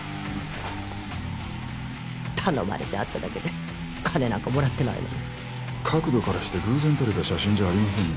頼まれて会っただけで金なんかもらってないのに角度からして偶然撮れた写真じゃありませんね